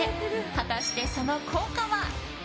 果たして、その効果は？